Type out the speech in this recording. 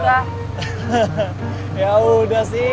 hehehe yaudah sih